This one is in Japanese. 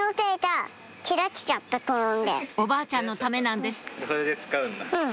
おばあちゃんのためなんですうん。